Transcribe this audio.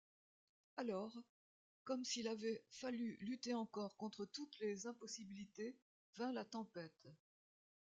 Alors, comme s'il avait fallu lutter encore contre toutes les impossibilités, vint la tempête.